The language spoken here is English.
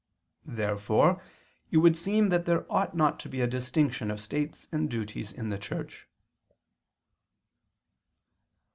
Therefore it would seem that there ought not to be a distinction of states and duties in the Church.